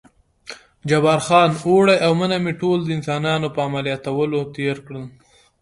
جبار خان: اوړی او منی مې ټول د انسانانو په عملیاتولو تېر کړل.